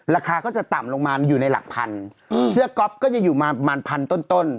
ราคาก็จะต่ำลงมาอยู่ในหลักพันเสื้อก๊อฟก็จะอยู่ประมาณพันต้นต้น